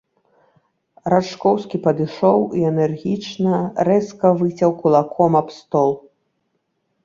Рачкоўскі падышоў і энергічна, рэзка выцяў кулаком аб стол.